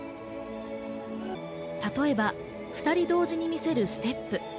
例えば、２人同時に見せるステップ。